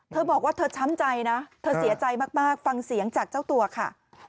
เธอบอกว่าเธอช้ำใจนะเธอเสียใจมากฟังเสียงจากเจ้าตัวค่ะ